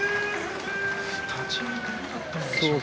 立ち合いはどうだったでしょう？